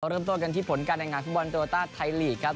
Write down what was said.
เราเริ่มตัวกันที่ผลการณ์ในงานฟังบอลตัวตาไทยลีกครับ